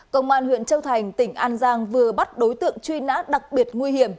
công an huyện châu thành tỉnh an giang vừa bắt đối tượng truy nã đặc biệt nguy hiểm